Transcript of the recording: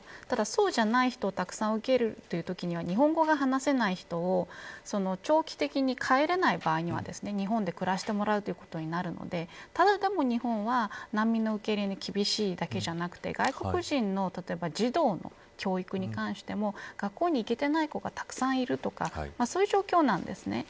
ただ、そうじゃない人をたくさん受けるときには日本語が話せない人を長期的に帰れない場合には日本で暮らしてもらうということになるのでただでも日本は難民の受け入れに厳しいだけでなくて外国人の児童の教育に関しても学校に行けてない子がたくさんいるとかそういう状況なんです。